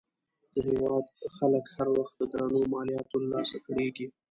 د هېواد خلک هر وخت د درنو مالیاتو له لاسه کړېږي.